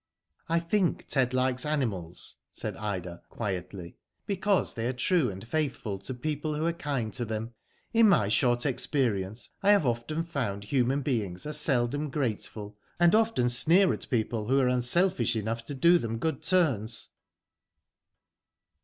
I think Ted likes animals, said Ida," quietly, because they are true and faithful to people whcj Digitized byGoogk THE ARTIST. 53 are kind to them. In my short experience, I have often found human beings are seldom grate ful, and often sneer at people who are unselfish enough to do them good turns."